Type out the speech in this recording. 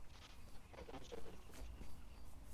太田市地区的城市。